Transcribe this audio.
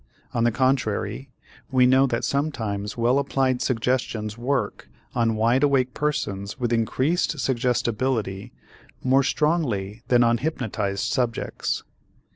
On the contrary, we know that sometimes well applied suggestions work on wide awake persons with increased suggestibility more strongly than on hypnotized subjects.